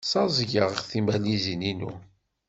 Ssaẓyeɣ tibalizin-inu.